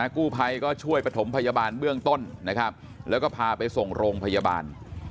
กู้ภัยก็ช่วยประถมพยาบาลเบื้องต้นนะครับแล้วก็พาไปส่งโรงพยาบาล